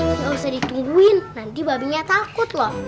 nggak usah ditungguin nanti babinya takut loh